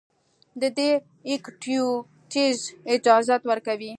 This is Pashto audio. د دې ايکټويټيز اجازت ورکوي